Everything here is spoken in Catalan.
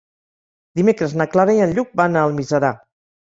Dimecres na Clara i en Lluc van a Almiserà.